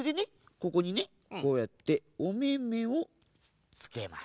ここにねこうやっておめめをつけます。